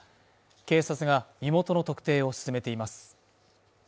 警察が身元の特定を進めています。